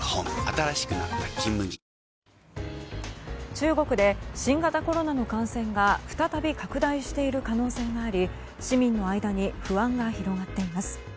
中国で新型コロナの感染が再び拡大している可能性があり市民の間に不安が広がっています。